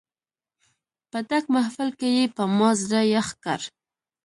په ډک محفل کې یې په ما زړه یخ کړ.